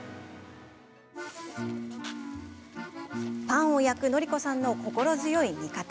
パンを焼く則子さんの心強い味方